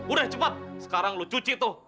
udah cepat sekarang lo cuci tuh